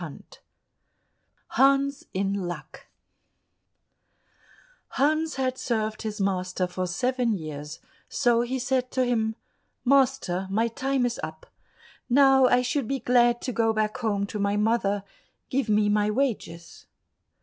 83 Hans in Luck Hans had served his master for seven years, so he said to him, "Master, my time is up; now I should be glad to go back home to my mother; give me my wages."